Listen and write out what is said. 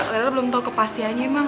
lela belum tau kepastiannya emang